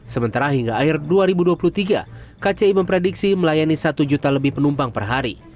sementara hingga akhir dua ribu dua puluh tiga kci memprediksi melayani satu juta lebih penumpang per hari